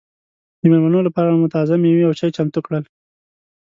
د مېلمنو لپاره مو تازه مېوې او چای چمتو کړل.